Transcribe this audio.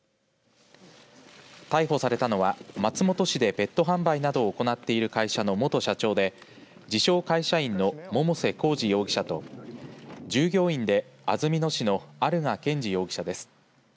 逮捕されたのは松本市でペット販売などを行っている会社の元社長で、自称会社員の百瀬耕二容疑者と従業員で安曇野市の有賀健児容疑者です。